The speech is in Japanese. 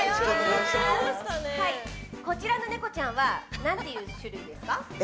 こちらのネコちゃんは何ていう種類ですか？